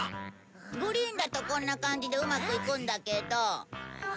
グリーンだとこんな感じでうまくいくんだけど。